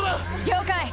了解。